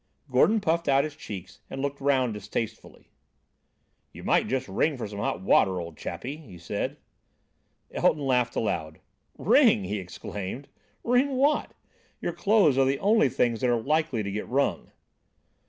Gordon puffed out his cheeks and looked round distastefully. "You might just ring for some hot water, old chappie," he said. Elton laughed aloud. "Ring!" he exclaimed. "Ring what? Your clothes are the only things that are likely to get wrung."